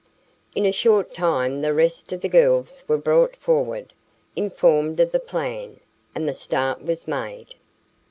In a short time the rest of the girls were brought forward, informed of the plan, and the start was made.